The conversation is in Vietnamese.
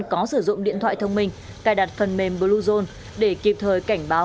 có sử dụng điện thoại thông minh cài đặt phần mềm bluezone để kịp thời cảnh báo